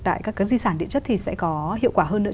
tại các cái di sản điện chất thì sẽ có hiệu quả hơn nữa